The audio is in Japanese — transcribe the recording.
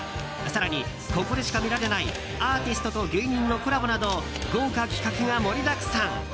更に、ここでしか見られないアーティストと芸人のコラボなど豪華企画が盛りだくさん。